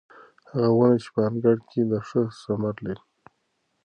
هغه ونه چې په انګړ کې ده ښه ثمر لري.